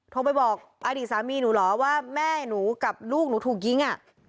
โทรไปบอกอดีตสามีหนูเหรอว่าแม่หนูกับลูกหนูถูกยิง